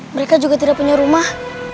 mereka juga tidak punya rumah